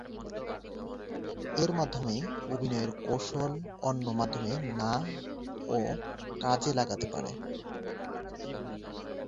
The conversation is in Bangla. এক মাধ্যমে অভিনয়ের কৌশল অন্য মাধ্যমে না-ও কাজে লাগতে পারে।